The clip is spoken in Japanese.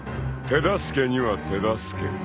［手助けには手助けを］